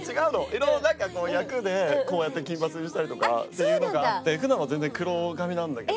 いろいろなんかこう役でこうやって金髪にしたりとかっていうのがあって普段は全然黒髪なんだけど。